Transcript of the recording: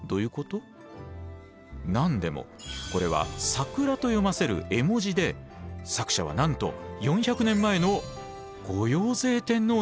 何でもこれは「桜」と読ませる絵文字で作者はなんと４００年前の後陽成天皇なんです。